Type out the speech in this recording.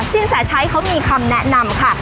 สินแสชัยเขามีคำแนะนำค่ะ